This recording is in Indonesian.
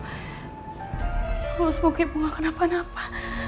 ya allah suguh ibu kenapa kenapa